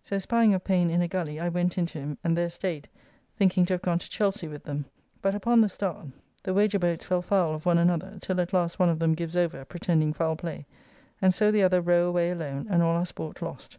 So spying of Payne in a gully, I went into him, and there staid, thinking to have gone to Chelsy with them. But upon, the start, the wager boats fell foul one of another, till at last one of them gives over, pretending foul play, and so the other row away alone, and all our sport lost.